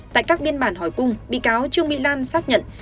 tại các biên bản hỏi cung bị cáo trương mỹ lan xác nhận